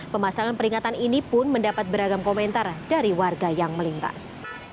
pemasaran peringatan ini pun mendapat beragam komentar dari warga yang melintas